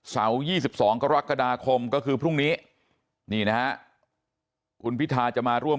เสาร์๒๒กรกฎาคมก็คือพรุ่งนี้นี่นะฮะคุณพิทาจะมาร่วม